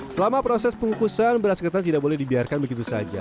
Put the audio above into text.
selama proses pengukusan beras ketan tidak boleh dibiarkan begitu saja